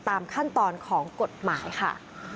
ตามขั้นตอนของกฎหมายค่ะ